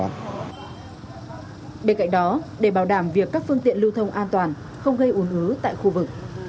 bên cạnh đó để bảo đảm việc các phương tiện lưu thông an toàn không gây ồn ứ tại khu vực